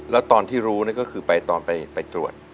แล้วตอนที่รู้ก็คือไปตรวจ